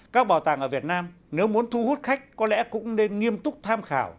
các bảo tàng ở việt nam nếu muốn thu hút khách có lẽ cũng nên nghiêm túc tham khảo